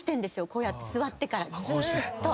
こうやって座ってからずーっと。